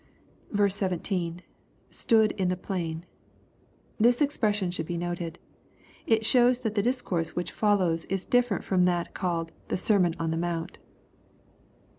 17.— [/Stood in the plain,] This expression should be noted. It shows that the discourse which follows is different fix)m that called " the sermon on the mount."